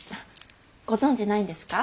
ご存じないんですか。